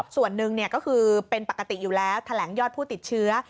ส่วนหนึ่งก็คือเป็นปกติอยู่แล้วแถลงยอดผู้ติดเชื้อ